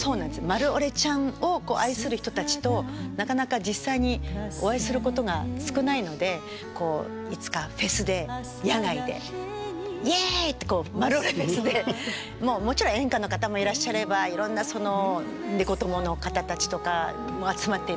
マルオレちゃんを愛する人たちとなかなか実際にお会いすることが少ないのでこういつかフェスで野外でイエイってこうマルオレフェスでもちろん演歌の方もいらっしゃればいろんなその猫友の方たちとか集まっていただいて。